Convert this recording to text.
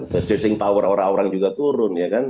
purchasing power orang orang juga turun ya kan